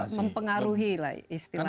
mempengaruhi lah istilahnya